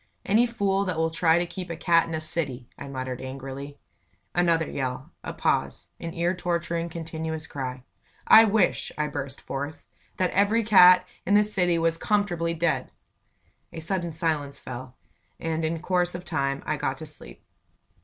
"Any fool that will try to keep a cat in a city!" I muttered, angrily. Another yell a pause an ear torturing, continuous cry. "I wish," I burst forth, "that every cat in the city was comfortably dead!" A sudden silence fell, and in course of time I got to sleep.